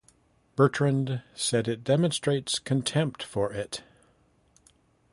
Bertrand said it "demonstrates contempt for it".